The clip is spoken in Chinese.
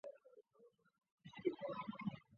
一说出自己姓。